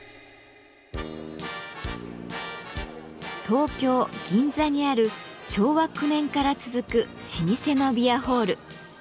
東京・銀座にある昭和９年から続く老舗のビアホール。